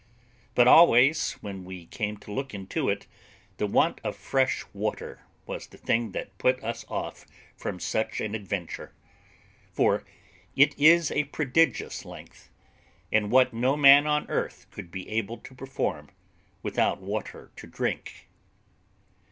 But always, when we came to look into it, the want of fresh water was the thing that put us off from such an adventure, for it is a prodigious length, and what no man on earth could be able to perform without water to drink.